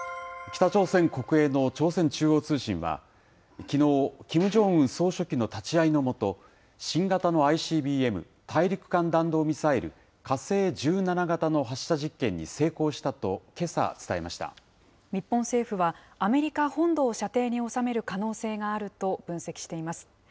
北朝鮮国営の朝鮮中央通信は、きのう、キム・ジョンウン総書記の立ち会いの下、新型のＩＣＢＭ・大陸間弾道ミサイルの火星１７型の発射実験に成日本政府は、アメリカ本土を射程に収める可能性があると分析しています。